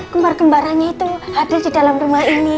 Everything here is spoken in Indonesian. kemar kembarannya itu hadir di dalam rumah ini